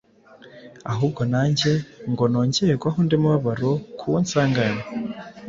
ahubwo nanjye, ngo ntongerwaho undi mubabaro ku uwo nsanganywe.”